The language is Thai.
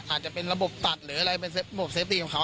อาจจะเป็นระบบตัดหรืออะไรเป็นระบบเซฟตีของเขา